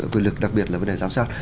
quyền lực đặc biệt là vấn đề giám sát